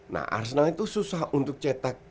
nah arsenal itu susah untuk cetak